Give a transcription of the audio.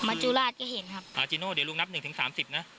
จุราชก็เห็นครับอาจีโน่เดี๋ยวลุงนับหนึ่งถึงสามสิบนะ